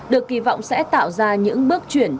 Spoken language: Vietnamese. được kỳ vọng sẽ tạo ra những bước chuyển